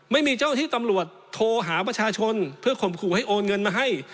ไม่มีเจ้าที่ตำรวจโทรหาประชาชนเพื่อข่มขู่ให้โอนเงินมาให้